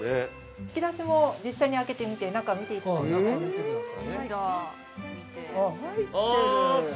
◆引き出しも実際に開けてみて中を見ていただいて大丈夫です。